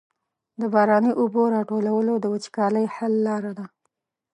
د باراني اوبو راټولول د وچکالۍ حل لاره ده.